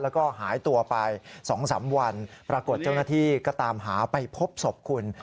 แล้วก็หายตัวไป๒๓วันปรากฏเจ้าหน้าที่ก็ตามหาไปพบศพคุณ